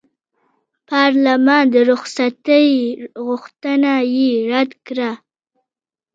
پارلمان د رخصتۍ غوښتنه یې رد کړه.